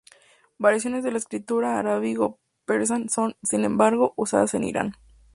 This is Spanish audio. Variaciones de la escritura arábigo-persa son, sin embargo, usadas en Irán.